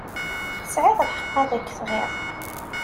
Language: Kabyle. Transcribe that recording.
Tesɛiḍ lḥeqq ad k-tɣiḍ.